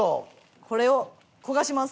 これを焦がします。